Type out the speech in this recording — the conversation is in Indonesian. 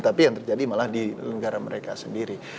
tapi yang terjadi malah di negara mereka sendiri